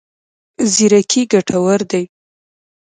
زیرکي ګټور دی.